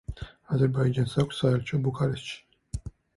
აზერბაიჯანს აქვს საელჩო ბუქარესტში.